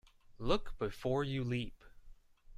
Look before you leap.